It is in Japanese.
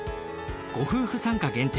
ご夫婦参加限定。